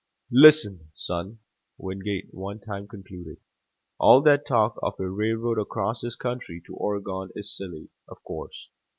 "Listen, son," Wingate one time concluded. "All that talk of a railroad across this country to Oregon is silly, of course.